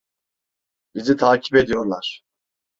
Bizi takip ediyorlar.